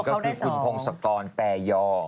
คือคุณโภงศักรณ์แปรยอ